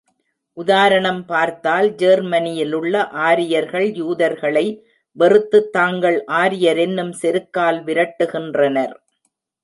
உதாரணம் பார்த்தால், ஜெர்மனியிலுள்ள ஆரியர்கள் யூதர்களை வெறுத்துத் தாங்கள் ஆரியரெனும் செருக்கால் விரட்டுகின்றனர்.